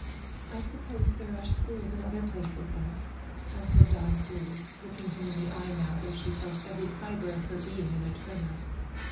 "I suppose there are schools in other places, then," answered Dawn coolly, looking him in the eye now, though she felt every fibre of her being in a tremor.